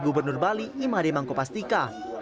gubernur bali imarie mangkopastika